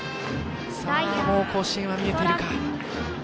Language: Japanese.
もう甲子園は見えているか。